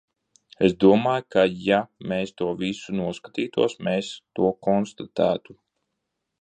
Es domāju, ka, ja mēs to visu noskatītos, mēs to konstatētu.